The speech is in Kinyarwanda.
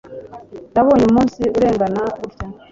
nabonye umunsi urengana gutya ..